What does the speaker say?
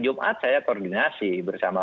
jumat saya koordinasi bersama